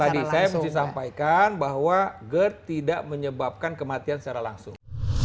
tadi saya bilang tadi saya mesti sampaikan bahwa gerd tidak menyebabkan kematian secara langsung